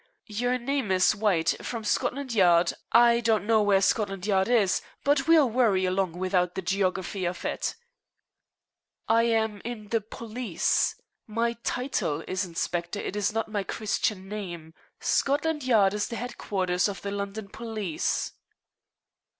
Your name is I. White, from Scotland Yard. I don't know where Scotland Yard is, but we'll worry along without the geography of it." "I am in the police. My title is Inspector. It is not my Christian name. Scotland Yard is the headquarters of the London police."